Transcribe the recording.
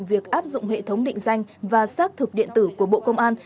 việc áp dụng hệ thống định danh và xác thực điện tử của bộ công an